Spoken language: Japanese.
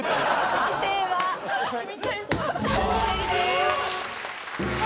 判定は？